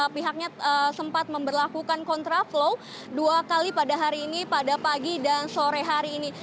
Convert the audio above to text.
pihaknya sempat memperlakukan kontraflow dua kali pada hari ini pada pagi dan sore hari ini